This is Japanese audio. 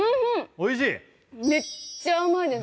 おいしい？